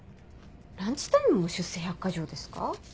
ランチタイムも出世１００箇条ですか？